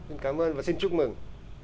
xin cảm ơn và xin chúc mừng